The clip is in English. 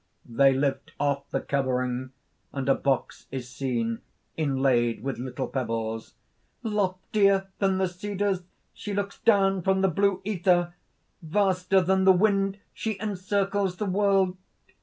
(They lift off the covering; and a box is seen, inlaid with little pebbles.) "Loftier than the cedars, she looks down from the blue ether. Vaster than the wind she encircles the world.